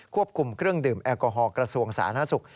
ควบคุมเครื่องดื่มแอลกอฮอลกระทรวงสาธารณสุข